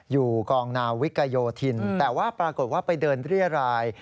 อยู่กองนาวิกโยธินแต่ว่าปรากฏว่าไปเดินเรียราย